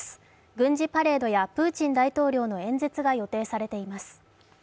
軍事パレードやプーチン大統領の演説が予定されています。